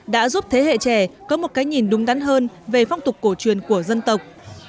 đã giúp thế hệ trẻ có một cái nhìn đúng đắn hơn về phong tục cổ truyền của dân tộc